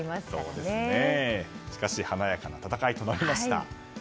しかし華やかな戦いとなりました。